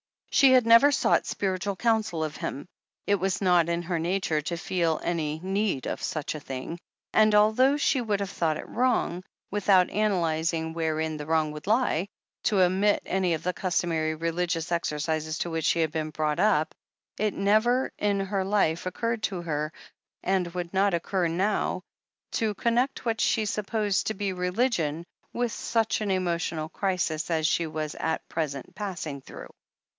She had never sought spiritual cotmsel of him. It was not in her nature to feel any need of such a thing, and although she would have thought it wrong, with out analyzing wherein the wrong would lie, to omit any of the customary religious exercises to which she had been brought up, it had never in her life occurred to her, and would not occur now, to connect what she supposed to be "religion" with such an emotional crisis as she was at present passing through.